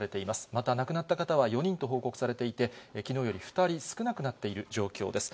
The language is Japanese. また亡くなった方は４人と報告されていて、きのうより２人少なくなっている状況です。